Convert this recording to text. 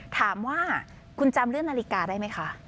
ถามว่าคุณจำเรื่องนาฬิกาได้ไหมคะ